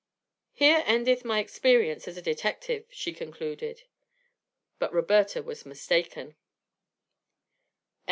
"Here endeth my experience as a detective," she concluded. But Roberta was mistaken.